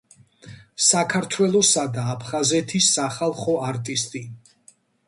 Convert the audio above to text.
საქართველოსა და აფხაზეთის სახალხო არტისტი.